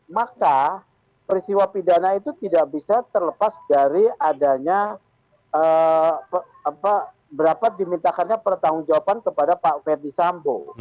maka peristiwa pidana itu tidak bisa terlepas dari adanya berapa dimintakannya pertanggung jawaban kepada pak ferdisambo